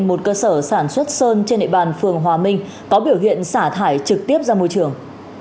một cơ sở sản xuất sơn trên địa bàn phường hòa minh có biểu hiện xả thải trực tiếp ra môi trường